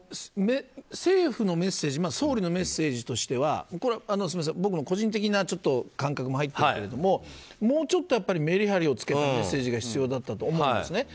政府のメッセージ総理のメッセージとしては僕の個人的な感覚も入っているけどもうちょっとめりはりをつけたメッセージが必要だったと思うんですね。